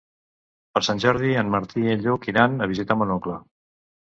Per Sant Jordi en Martí i en Lluc iran a visitar mon oncle.